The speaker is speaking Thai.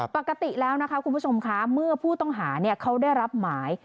ปกติแล้วนะคะคุณผู้ชมคะเมื่อผู้ต้องหาเขาได้รับหมาย